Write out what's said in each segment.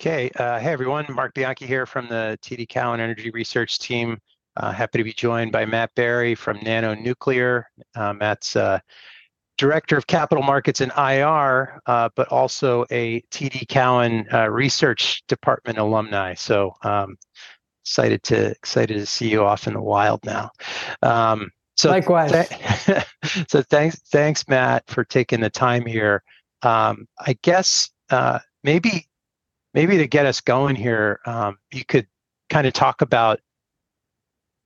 Okay, hey, everyone. Marc Bianchi here from the TD Cowen Energy Research Team. Happy to be joined by Matt Barry from NANO Nuclear. Matt's Director of Capital Markets and IR, but also a TD Cowen Research Department alumni. So excited to see you out in the wild now. Likewise. So thanks, Matt, for taking the time here. I guess maybe to get us going here, you could kind of talk about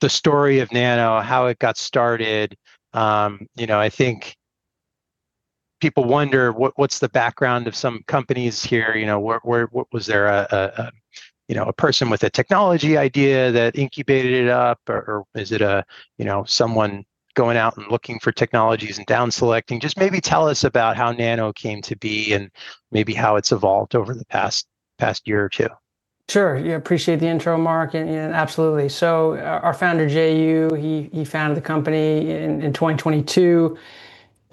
the story of NANO, how it got started. I think people wonder what's the background of some companies here. Was there a person with a technology idea that incubated it up, or is it someone going out and looking for technologies and downselecting? Just maybe tell us about how NANO came to be and maybe how it's evolved over the past year or two. Sure. Yeah, appreciate the intro, Marc. Absolutely, so our founder, Jay Jiang Yu, he founded the company in 2022,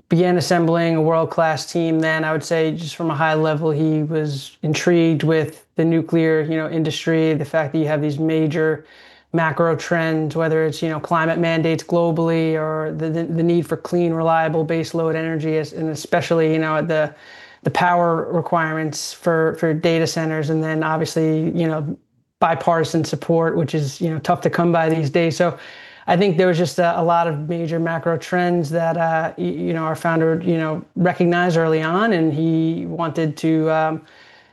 began assembling a world-class team, then I would say just from a high level, he was intrigued with the nuclear industry, the fact that you have these major macro trends, whether it's climate mandates globally or the need for clean, reliable, baseload energy, and especially the power requirements for data centers, and then obviously bipartisan support, which is tough to come by these days, so I think there was just a lot of major macro trends that our founder recognized early on, and he wanted to,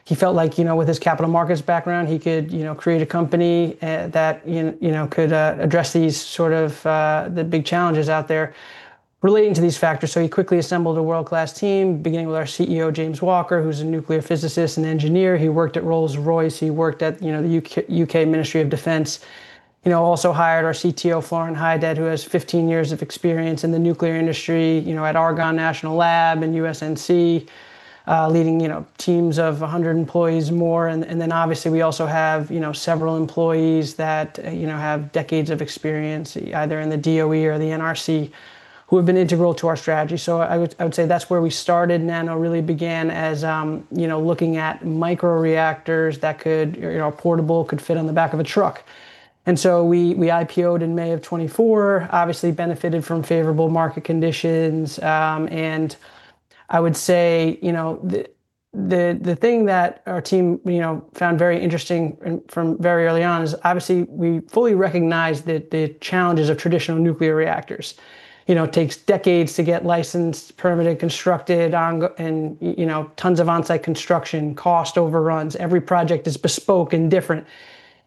he felt like with his capital markets background, he could create a company that could address these sort of the big challenges out there relating to these factors. So he quickly assembled a world-class team, beginning with our CEO, James Walker, who's a nuclear physicist and engineer. He worked at Rolls-Royce. He worked at the U.K. Ministry of Defence. Also hired our CTO, Florin Heidet, who has 15 years of experience in the nuclear industry at Argonne National Lab and USNC, leading teams of 100 employees or more. And then obviously we also have several employees that have decades of experience either in the DOE or the NRC who have been integral to our strategy. So I would say that's where we started. NANO really began as looking at microreactors that could, portable, could fit on the back of a truck. And so we IPO'd in May of 2024, obviously benefited from favorable market conditions. I would say the thing that our team found very interesting from very early on is obviously we fully recognize the challenges of traditional nuclear reactors. It takes decades to get licensed, permitted, constructed, and tons of onsite construction, cost overruns. Every project is bespoke and different.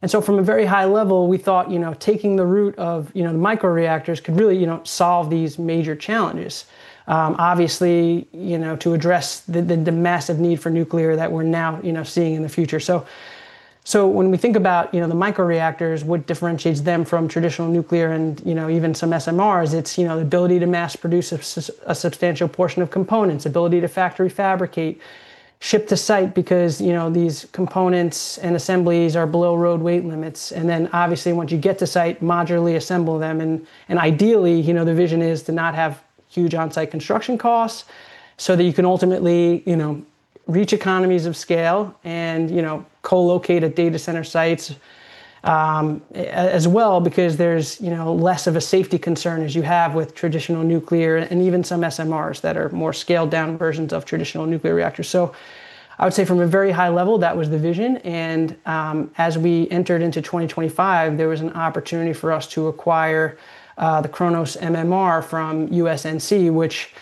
So from a very high level, we thought taking the route of the microreactors could really solve these major challenges, obviously to address the massive need for nuclear that we're now seeing in the future. So when we think about the microreactors, what differentiates them from traditional nuclear and even some SMRs, it's the ability to mass produce a substantial portion of components, ability to factory fabricate, ship to site because these components and assemblies are below road weight limits. Then obviously once you get to site, modularly assemble them. Ideally, the vision is to not have huge onsite construction costs so that you can ultimately reach economies of scale and co-locate at data center sites as well because there's less of a safety concern as you have with traditional nuclear and even some SMRs that are more scaled down versions of traditional nuclear reactors. I would say from a very high level, that was the vision. As we entered into 2025, there was an opportunity for us to acquire the Kronos MMR from USNC, which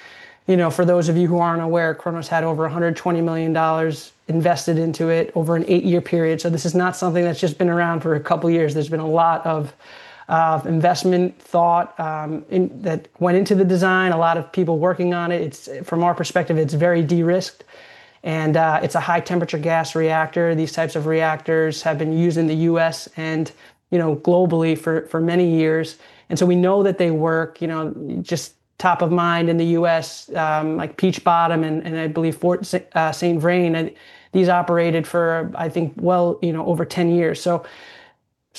for those of you who aren't aware, Kronos had over $120 million invested into it over an eight-year period. This is not something that's just been around for a couple of years. There's been a lot of investment thought that went into the design, a lot of people working on it. From our perspective, it's very de-risked and it's a high-temperature gas reactor. These types of reactors have been used in the U.S. and globally for many years, and so we know that they work just top of mind in the U.S., like Peach Bottom and I believe St. Vrain. These operated for, I think, well, over 10 years, so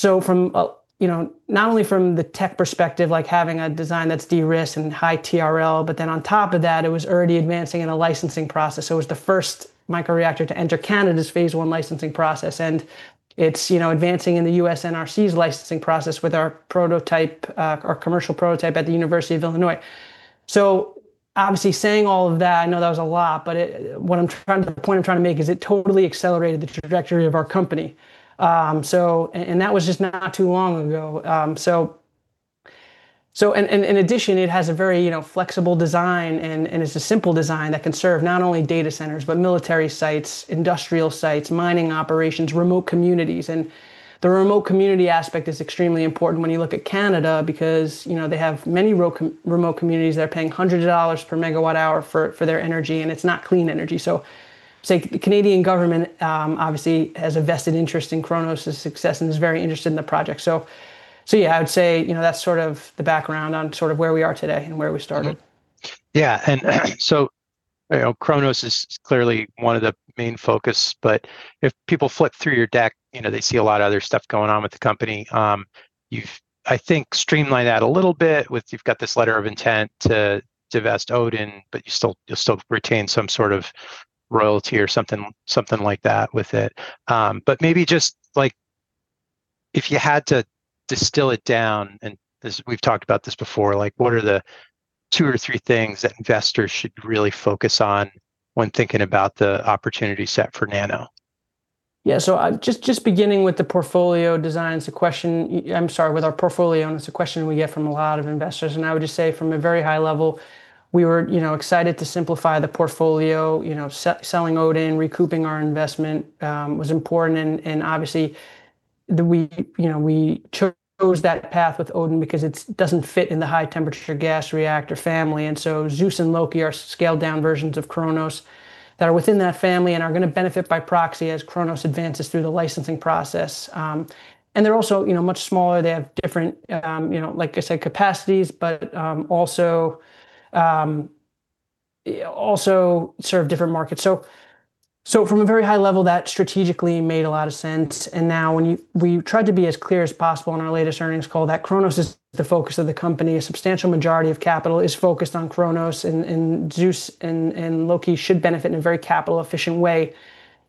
not only from the tech perspective, like having a design that's de-risked and high TRL, but then on top of that, it was already advancing in a licensing process, so it was the first micro reactor to enter Canada's phase one licensing process, and it's advancing in the U.S. NRC's licensing process with our prototype, our commercial prototype at the University of Illinois. So obviously saying all of that, I know that was a lot, but what I'm trying to, the point I'm trying to make is it totally accelerated the trajectory of our company. And that was just not too long ago. And in addition, it has a very flexible design and it's a simple design that can serve not only data centers, but military sites, industrial sites, mining operations, remote communities. And the remote community aspect is extremely important when you look at Canada because they have many remote communities that are paying hundreds of dollars per megawatt hour for their energy and it's not clean energy. So the Canadian government obviously has a vested interest in Kronos's success and is very interested in the project. So yeah, I would say that's sort of the background on sort of where we are today and where we started. Yeah. And so Kronos is clearly one of the main focus, but if people flip through your deck, they see a lot of other stuff going on with the company. You've, I think, streamlined that a little bit with you've got this letter of intent to divest Odin, but you'll still retain some sort of royalty or something like that with it. But maybe just if you had to distill it down, and we've talked about this before, what are the two or three things that investors should really focus on when thinking about the opportunity set for NANO? Yeah. So just beginning with the portfolio design, it's a question. I'm sorry, with our portfolio, and it's a question we get from a lot of investors. And I would just say from a very high level, we were excited to simplify the portfolio, selling Odin, recouping our investment was important. And obviously we chose that path with Odin because it doesn't fit in the high-temperature gas reactor family. And so Zeus and Loki are scaled down versions of Kronos that are within that family and are going to benefit by proxy as Kronos advances through the licensing process. And they're also much smaller. They have different, like I said, capacities, but also serve different markets. So from a very high level, that strategically made a lot of sense. And now, when we tried to be as clear as possible in our latest earnings call that Kronos is the focus of the company, a substantial majority of capital is focused on Kronos, and Zeus and Loki should benefit in a very capital-efficient way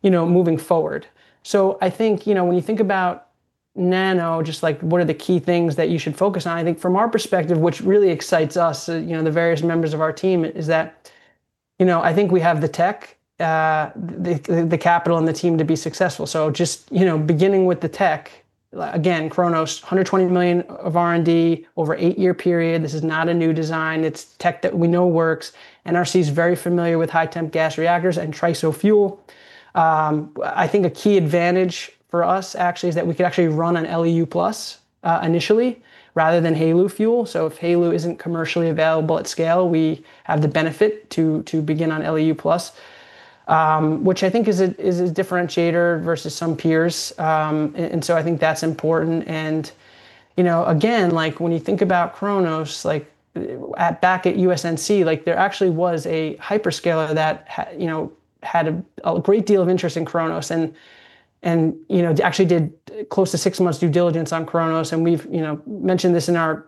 moving forward. So I think when you think about NANO, just like what are the key things that you should focus on? I think from our perspective, which really excites us, the various members of our team, is that I think we have the tech, the capital and the team to be successful. So just beginning with the tech, again, Kronos, 120 million of R&D over eight-year period. This is not a new design. It's tech that we know works. NRC is very familiar with high-temperature gas-cooled reactors and TRISO fuel. I think a key advantage for us actually is that we could actually run on LEU Plus initially rather than HALU fuel, so if HALU isn't commercially available at scale, we have the benefit to begin on LEU Plus, which I think is a differentiator versus some peers, and so I think that's important, and again, when you think about Kronos, back at USNC, there actually was a hyperscaler that had a great deal of interest in Kronos and actually did close to six months' due diligence on Kronos. And we've mentioned this in our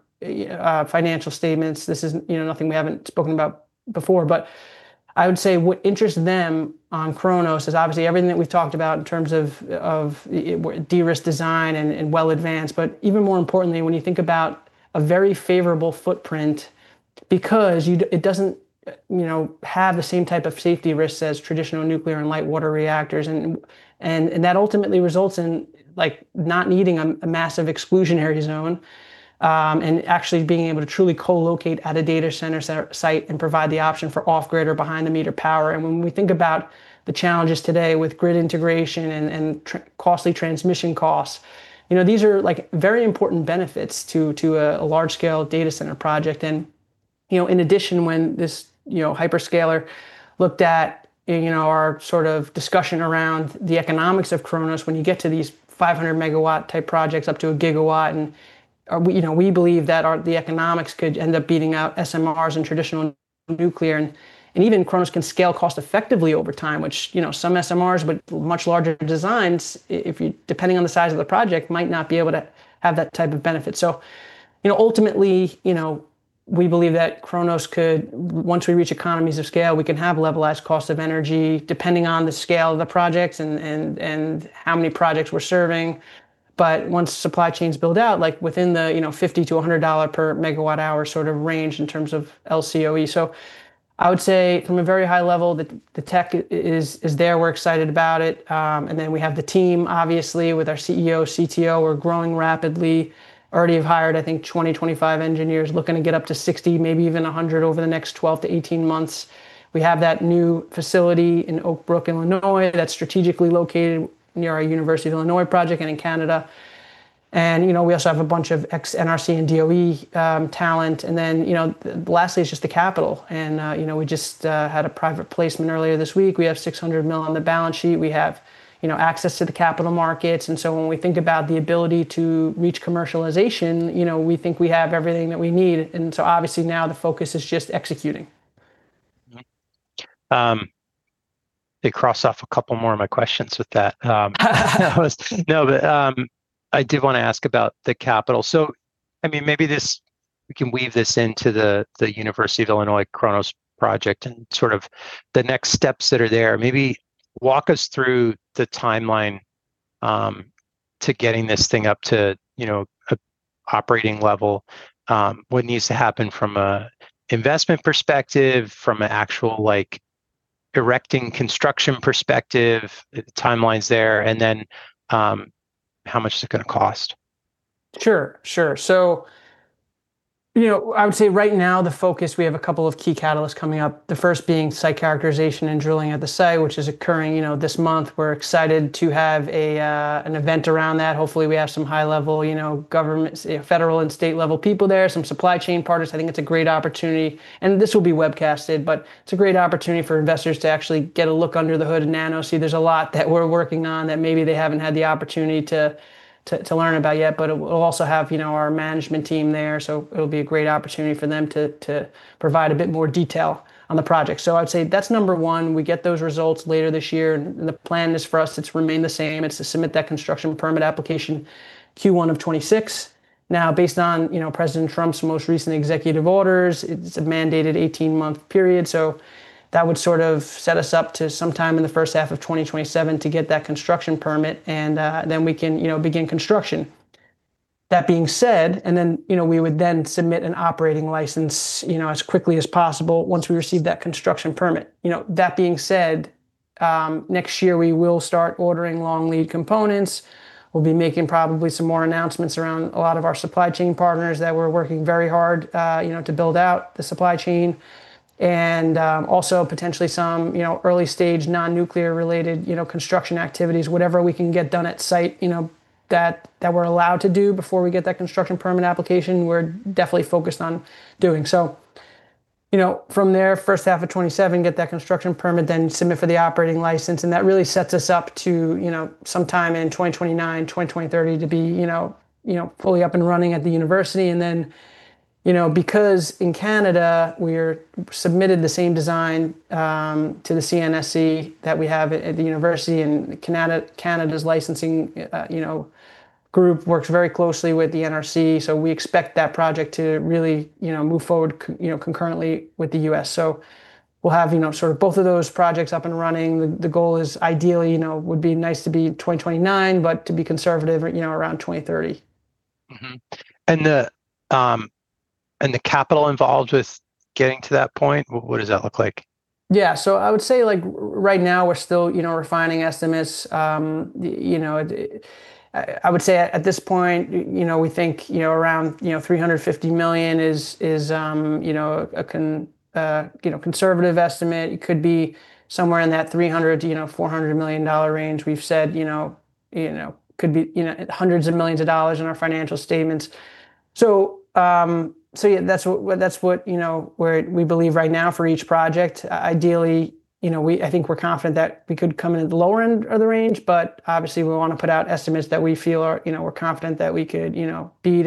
financial statements. This is nothing we haven't spoken about before, but I would say what interests them on Kronos is obviously everything that we've talked about in terms of de-risk design and well advanced, but even more importantly, when you think about a very favorable footprint, because it doesn't have the same type of safety risks as traditional nuclear and light water reactors, and that ultimately results in not needing a massive exclusionary zone and actually being able to truly co-locate at a data center site and provide the option for off-grid or behind-the-meter power. And when we think about the challenges today with grid integration and costly transmission costs, these are very important benefits to a large-scale data center project. In addition, when this hyperscaler looked at our sort of discussion around the economics of Kronos, when you get to these 500 megawatt type projects up to a gigawatt, and we believe that the economics could end up beating out SMRs and traditional nuclear, and even Kronos can scale cost-effectively over time, which some SMRs with much larger designs, depending on the size of the project, might not be able to have that type of benefit. Ultimately, we believe that Kronos could, once we reach economies of scale, we can have levelized cost of energy depending on the scale of the projects and how many projects we're serving. But once supply chains build out, like within the $50-$100 per megawatt hour sort of range in terms of LCOE. I would say from a very high level, the tech is there. We're excited about it. And then we have the team, obviously, with our CEO, CTO. We're growing rapidly. Already have hired, I think, 20-25 engineers looking to get up to 60, maybe even 100 over the next 12-18 months. We have that new facility in Oak Brook, Illinois, that's strategically located near our University of Illinois project and in Canada. And we also have a bunch of NRC and DOE talent. And then lastly, it's just the capital. And we just had a private placement earlier this week. We have $600 million on the balance sheet. We have access to the capital markets. And so when we think about the ability to reach commercialization, we think we have everything that we need. And so obviously now the focus is just executing. I crossed off a couple more of my questions with that. No, but I did want to ask about the capital. So I mean, maybe we can weave this into the University of Illinois Kronos project and sort of the next steps that are there. Maybe walk us through the timeline to getting this thing up to an operating level, what needs to happen from an investment perspective, from an actual erecting construction perspective, timelines there, and then how much is it going to cost? Sure. Sure. So I would say right now the focus, we have a couple of key catalysts coming up, the first being site characterization and drilling at the site, which is occurring this month. We're excited to have an event around that. Hopefully we have some high-level government, federal and state-level people there, some supply chain partners. I think it's a great opportunity, and this will be webcasted, but it's a great opportunity for investors to actually get a look under the hood of NANO. See, there's a lot that we're working on that maybe they haven't had the opportunity to learn about yet, but we'll also have our management team there. So it'll be a great opportunity for them to provide a bit more detail on the project. So I would say that's number one. We get those results later this year. The plan is for us to remain the same. It's to submit that construction permit application Q1 of 2026. Now, based on President Trump's most recent executive orders, it's a mandated 18-month period. That would sort of set us up to sometime in the first half of 2027 to get that construction permit, and then we can begin construction. That being said, and then we would then submit an operating license as quickly as possible once we receive that construction permit. That being said, next year we will start ordering long lead components. We'll be making probably some more announcements around a lot of our supply chain partners that we're working very hard to build out the supply chain. Also potentially some early-stage non-nuclear-related construction activities, whatever we can get done at site that we're allowed to do before we get that construction permit application, we're definitely focused on doing. From there, first half of 2027, get that construction permit, then submit for the operating license. That really sets us up to sometime in 2029-2030 to be fully up and running at the university. Then because in Canada, we've submitted the same design to the CNSC that we have at the university and Canada's licensing group works very closely with the NRC. We expect that project to really move forward concurrently with the U.S. We'll have sort of both of those projects up and running. The goal is ideally would be nice to be 2029, but to be conservative around 2030. The capital involved with getting to that point, what does that look like? Yeah, so I would say right now we're still refining estimates. I would say at this point, we think around $350 million is a conservative estimate. It could be somewhere in that $300-$400 million range. We've said it could be hundreds of millions of dollars in our financial statements. So yeah, that's what we believe right now for each project. Ideally, I think we're confident that we could come into the lower end of the range, but obviously we want to put out estimates that we feel we're confident that we could beat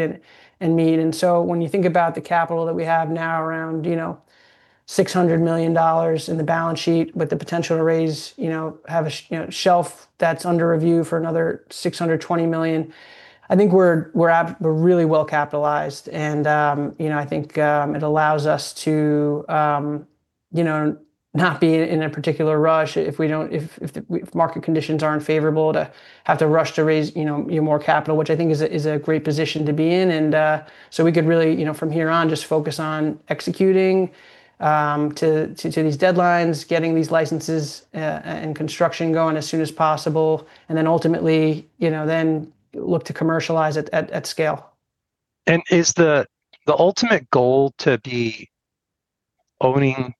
and meet, and so when you think about the capital that we have now around $600 million in the balance sheet with the potential to raise, have a shelf that's under review for another $620 million, I think we're really well capitalized. And I think it allows us to not be in a particular rush if market conditions aren't favorable to have to rush to raise more capital, which I think is a great position to be in. And so we could really from here on just focus on executing to these deadlines, getting these licenses and construction going as soon as possible, and then ultimately then look to commercialize at scale. Is the ultimate goal to be owning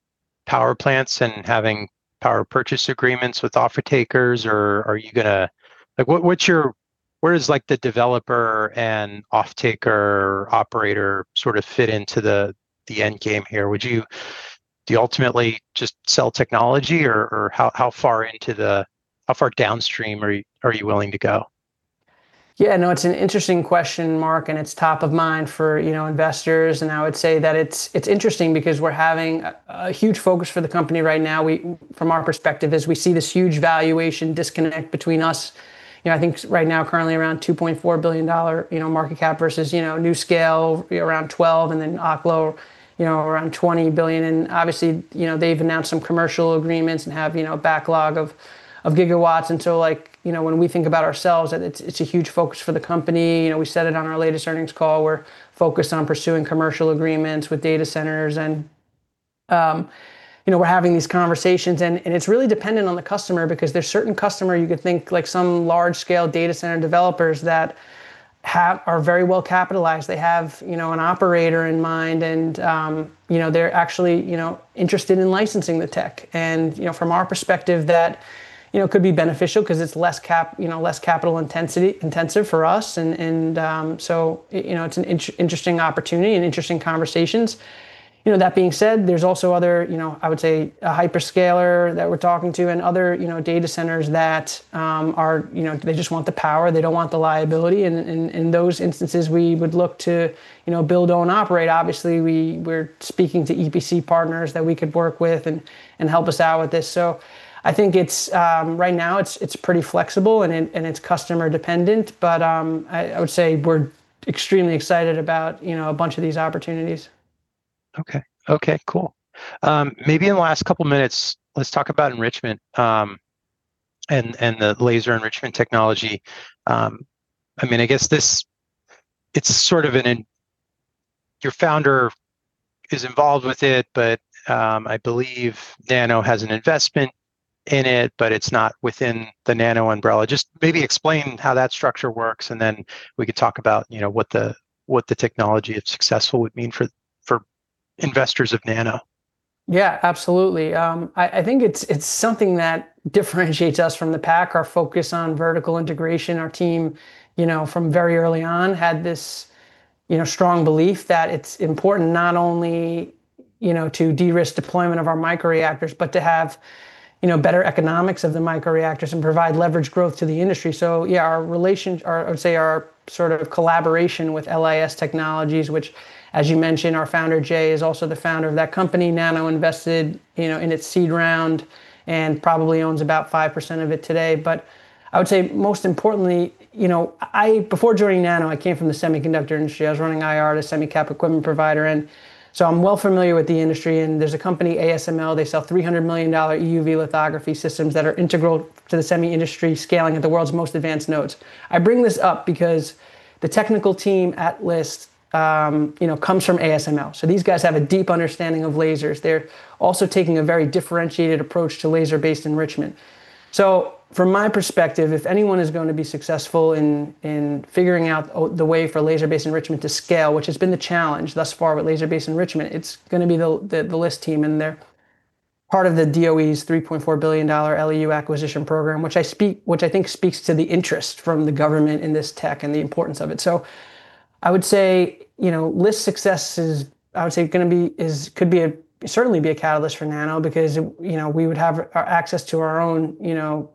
power plants and having power purchase agreements with off-takers, or are you going to, what is the developer and off-taker operator sort of fit into the end game here? Would you ultimately just sell technology or how far downstream are you willing to go? Yeah. No, it's an interesting question, Marc, and it's top of mind for investors. And I would say that it's interesting because we're having a huge focus for the company right now. From our perspective, as we see this huge valuation disconnect between us, I think right now currently around $2.4 billion market cap versus NuScale around $12 billion and then Oklo around $20 billion. And obviously they've announced some commercial agreements and have a backlog of gigawatts. And so when we think about ourselves, it's a huge focus for the company. We said it on our latest earnings call. We're focused on pursuing commercial agreements with data centers. And we're having these conversations. And it's really dependent on the customer because there's certain customer, you could think like some large-scale data center developers that are very well capitalized. They have an operator in mind, and they're actually interested in licensing the tech. And from our perspective, that could be beneficial because it's less capital intensive for us. And so it's an interesting opportunity and interesting conversations. That being said, there's also other, I would say, a hyperscaler that we're talking to and other data centers that they just want the power. They don't want the liability. And in those instances, we would look to build and operate. Obviously, we're speaking to EPC partners that we could work with and help us out with this. So I think right now it's pretty flexible and it's customer dependent, but I would say we're extremely excited about a bunch of these opportunities. Okay. Okay. Cool. Maybe in the last couple of minutes, let's talk about enrichment and the laser enrichment technology. I mean, I guess it's sort of an, your founder is involved with it, but I believe NANO has an investment in it, but it's not within the NANO umbrella. Just maybe explain how that structure works, and then we could talk about what the technology of success would mean for investors of NANO. Yeah, absolutely. I think it's something that differentiates us from the pack. Our focus on vertical integration, our team from very early on had this strong belief that it's important not only to de-risk deployment of our microreactors, but to have better economics of the microreactors and provide leverage growth to the industry. So yeah, our relation, I would say our sort of collaboration with LIS Technologies, which as you mentioned, our founder, Jay, is also the founder of that company. NANO invested in its seed round and probably owns about 5% of it today. But I would say most importantly, before joining NANO, I came from the semiconductor industry. I was running IR at a semicap equipment provider. And so I'm well familiar with the industry. And there's a company, ASML. They sell $300 million EUV lithography systems that are integral to the semi industry, scaling at the world's most advanced nodes. I bring this up because the technical team at LIS comes from ASML, so these guys have a deep understanding of lasers. They're also taking a very differentiated approach to laser-based enrichment, so from my perspective, if anyone is going to be successful in figuring out the way for laser-based enrichment to scale, which has been the challenge thus far with laser-based enrichment, it's going to be the LIS team, and they're part of the DOE's $3.4 billion LEU acquisition program, which I think speaks to the interest from the government in this tech and the importance of it. So I would say LIS's success is. I would say, going to be, could certainly be a catalyst for NANO because we would have access to our own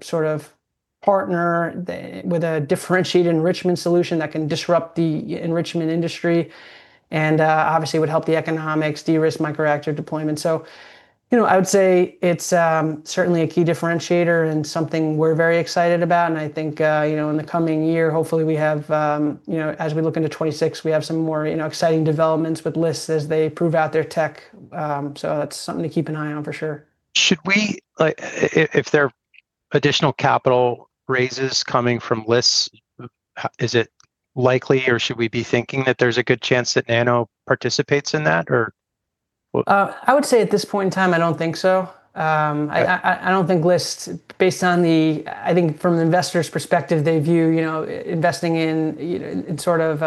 sort of partner with a differentiated enrichment solution that can disrupt the enrichment industry and obviously would help the economics de-risk micro reactor deployment. So I would say it's certainly a key differentiator and something we're very excited about. And I think in the coming year, hopefully we have, as we look into 2026, we have some more exciting developments with LIS as they prove out their tech. So that's something to keep an eye on for sure. If there are additional capital raises coming from LIS, is it likely or should we be thinking that there's a good chance that NANO participates in that or? I would say at this point in time, I don't think so. I don't think LIS, based on the, I think from the investor's perspective, they view investing in sort of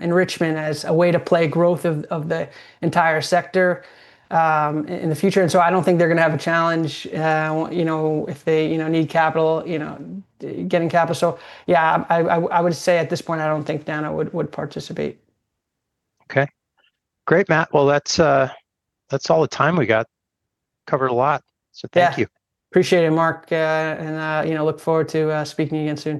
enrichment as a way to play growth of the entire sector in the future. And so I don't think they're going to have a challenge if they need capital, getting capital. So yeah, I would say at this point, I don't think NANO would participate. Okay. Great, Matt. Well, that's all the time we got. Covered a lot, so thank you. Appreciate it, Mark, and look forward to speaking again soon.